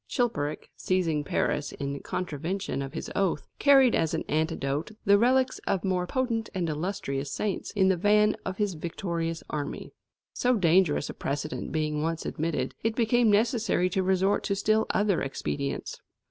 Chilperic, seizing Paris in contravention of his oath, carried as an antidote the relics of more potent and illustrious saints in the van of his victorious army. So dangerous a precedent being once admitted, it became necessary to resort to still other expedients.